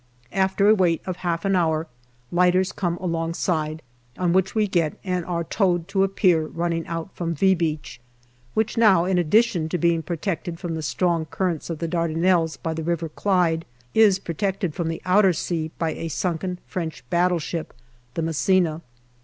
After a wait of half an hour, lighters come along side, on which we get and are towed to a pier running out from " V " Beach, which now, in addition to being protected from the strong currents of the Dardanelles by the River Clyde, is protected from the outer sea by a sunken French battleship, the Massena.